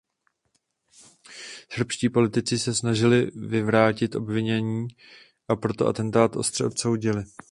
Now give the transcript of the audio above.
Srbští politici se snažili vyvrátit obvinění a proto atentát ostře odsoudili.